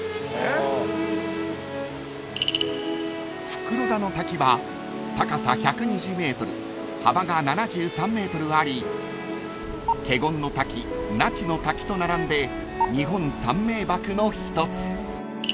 ［袋田の滝は高さ１２０ｍ幅が７３ｍあり華厳の滝那智の滝と並んで日本三名瀑の一つ］